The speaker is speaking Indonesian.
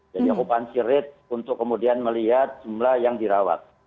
jadi okupansi rate untuk kemudian melihat jumlah yang dirawat